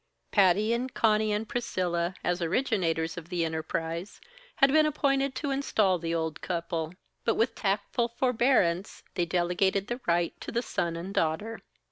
Patty and Conny and Priscilla, as originators of the enterprise, had been appointed to install the old couple; but with tactful forbearance, they delegated the right to the son and daughter.